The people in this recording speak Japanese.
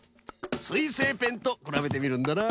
すいせいペンとくらべてみるんだな。